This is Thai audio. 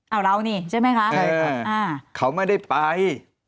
เอาเรานี่ใช่ไหมคะใช่ค่ะเขาไม่ได้ไป